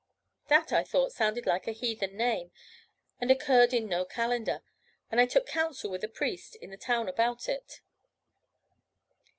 That, I thought, sounded like a heathen name, and occurred in no Calendar; and I took counsel with a priest in the town about it.